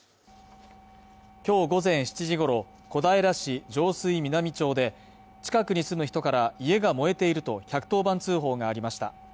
今日午前７時ごろ、小平市上水南町で、近くに住む人から家が燃えていると１１０番通報がありました。